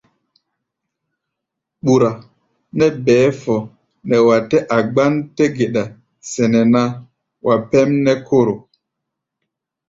Ɓúra nɛ́ bɛɛ́ fɔ nɛ wa tɛ́ a gbán-té geɗa sɛnɛ ná, wa pɛ́m nɛ́ kóro.